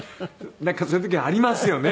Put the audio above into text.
なんかそういう時ありますよね。